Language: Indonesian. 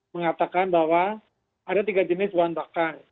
mengatakan bahwa ada tiga jenis bahan bakar